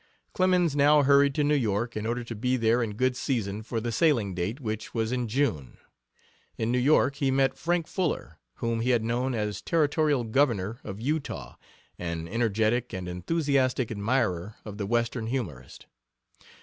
Clemens now hurried to New York in order to be there in good season for the sailing date, which was in June. In New York he met Frank Fuller, whom he had known as territorial Governor of Utah, an energetic and enthusiastic admirer of the Western humorist.